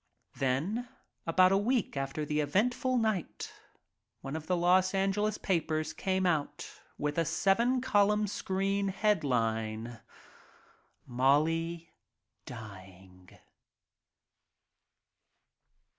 Then about a week after the eventful night, one of the Los Angeles papers came out with a seven column scream headline "MOLLY DYING."